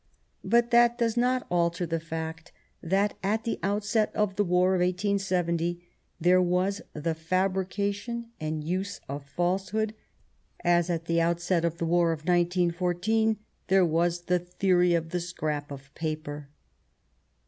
But that does not alter the fact that, at the outset of the war of 1870, there was the fabrication and use of a falsehood, as "at the outset of the war of 1914 there was the theory of the Scrap of Paper.